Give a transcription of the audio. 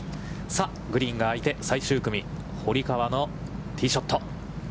さあ、グリーンが空いて、最終組、堀川のティーショット。